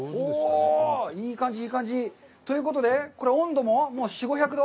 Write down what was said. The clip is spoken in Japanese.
いい感じ、いい感じ。ということで、これ温度も４００５００度？